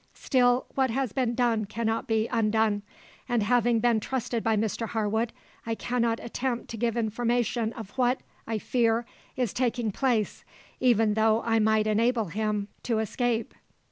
Still, what has been done cannot be undone; and having been trusted by Mr Harwood, I cannot attempt to give information of what, I fear, is taking place, even though I might enable him to escape.